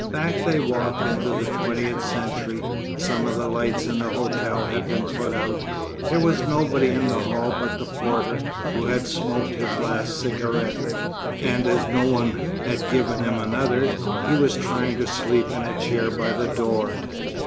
Back they walked into the Twentieth Century. Some of the lights in the hotel had been put out. There was nobody in the hall but the porter, who had smoked his last cigarette, and as no one had given him another, he was trying to sleep in a chair by the door.